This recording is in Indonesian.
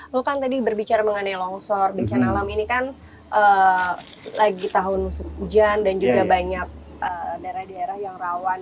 lo kan tadi berbicara mengenai longsor bencana alam ini kan lagi tahun musim hujan dan juga banyak daerah daerah yang rawan